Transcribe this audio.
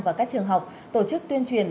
và các trường học tổ chức tuyên truyền